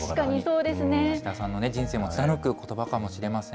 橋田さんの人生を貫くことばかもしれません。